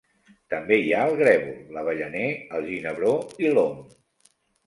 També hi ha el grèvol, l'avellaner, el ginebró i l'om.